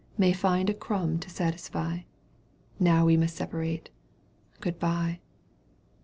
May find a crumb to satisfy. Now we must separate. Good bye